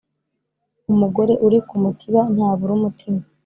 Umugore uri ku mutiba ntabura umutima.